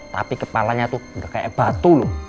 tapi kepalanya itu kayak batu loh